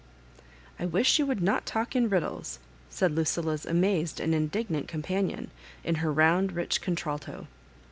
"I wish you would not talk in riddles," said Lucilla's amazed and indignant oompanion, in her round rich oontralto.